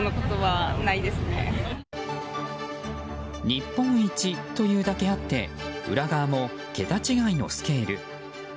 日本一というだけあって裏側も桁違いのスケール。